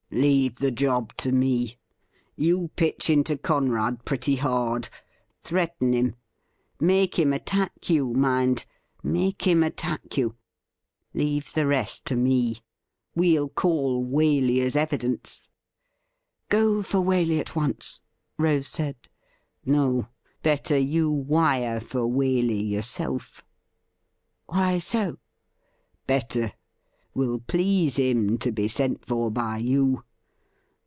' Leave the job to me. You pitch into Conrad pretty hard, threaten him, make him attack you — mind, make him attack you. Leave the rest to me. We'll call Waley as evidence.' * Go for Waley at once,' Rose said. ' No. Better you wire for Waley yourself. ' Why so ?'' Better. Will please him to be sent for by you.